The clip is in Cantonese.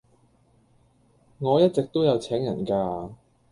我一直都有請人架